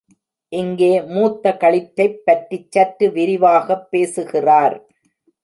இங்கே மூத்த களிற்றைப் பற்றிச் சற்று விரிவாகப் பேசுகிறார்.